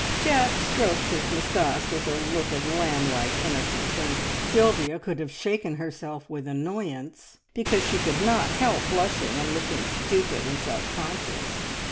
Jack stroked his moustache with a look of lamb like innocence, and Sylvia could have shaken herself with annoyance because she could not help blushing and looking stupid and self conscious.